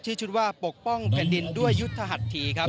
ชุดว่าปกป้องแผ่นดินด้วยยุทธหัสถีครับ